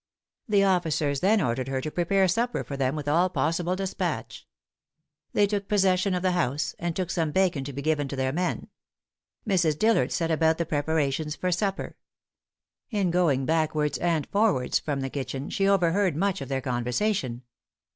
The officers then ordered her to prepare supper for them with all possible despatch. They took possession of the house, and took some bacon to be given to their men. Mrs. Dillard set about the preparations for supper. In going backwards and forwards from the kitchen, she overheard much of their conversation.